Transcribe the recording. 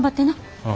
ああ。